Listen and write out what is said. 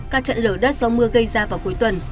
các trận lở đất do mưa gây ra vào cuối tuần